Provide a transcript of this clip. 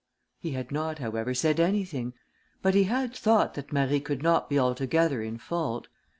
He had not, however, said anything, but he had thought that Marie could not be altogether in fault.